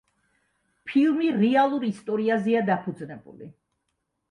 ფილმი რეალურ ისტორიაზეა დაფუძნებული.